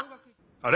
あれ？